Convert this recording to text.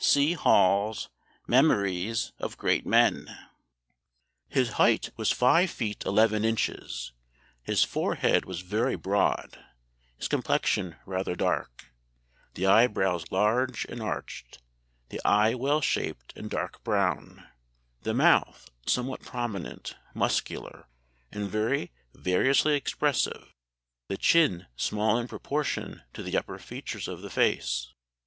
C. Hall's Memories of Great Men.] "His height was five feet eleven inches. 'His forehead was very broad; his complexion rather dark; the eyebrows large and arched; the eye well shaped, and dark brown; the mouth somewhat prominent, muscular, and very variously expressive; the chin small in proportion to the upper features of the face.